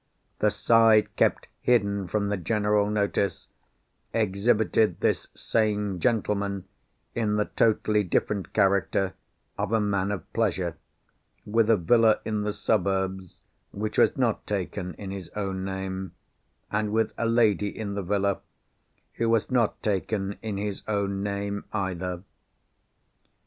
The side kept hidden from the general notice, exhibited this same gentleman in the totally different character of a man of pleasure, with a villa in the suburbs which was not taken in his own name, and with a lady in the villa, who was not taken in his own name, either.